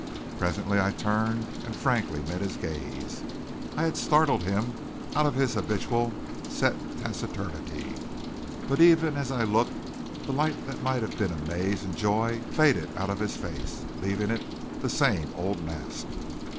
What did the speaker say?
Presently I turned and frankly met his gaze. I had startled him out of his habitual set taciturnity, but even as I looked the light that might have been amaze and joy faded out of his face, leaving it the same old mask.